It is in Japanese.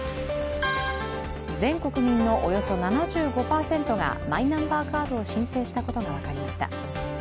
全国民のおよそ７５％がマイナンバーカードを申請したことが分かりました。